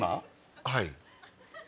はい。